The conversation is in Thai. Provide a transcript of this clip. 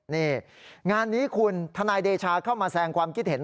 นี่งานนี้คุณทนายเดชาเข้ามาแสงความคิดเห็น